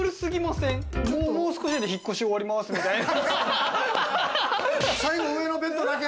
もう少しで引っ越し終わりますみたいな。